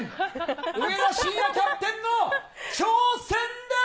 上田晋也キャプテンの挑戦です！